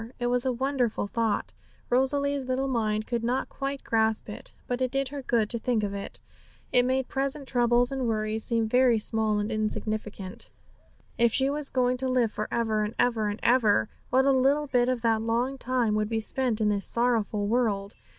It was a wonderful thought; Rosalie's little mind could not quite grasp it, but it did her good to think of it. It made present troubles and worries seem very small and insignificant. If she was going to live for ever, and ever, and ever, what a little bit of that long time would be spent in this sorrowful world!